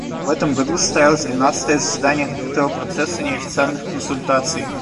В этом году состоялось двенадцатое заседание Открытого процесса неофициальных консультаций.